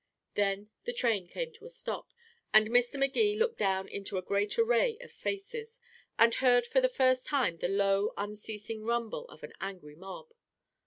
Then the train came to a stop, and Mr. Magee looked down into a great array of faces, and heard for the first time the low unceasing rumble of an angry mob.